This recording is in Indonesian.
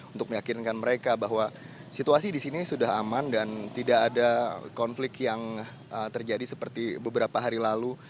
untuk meyakinkan mereka bahwa situasi di sini sudah aman dan tidak ada konflik yang terjadi seperti beberapa hari lalu